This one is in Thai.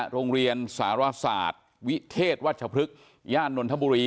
โรงเรียนสารศาสตร์วิเทศวัชพฤกษ์ย่านนทบุรี